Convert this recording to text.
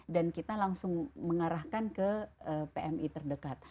dan kita langsung mengarahkan ke pmi terdekat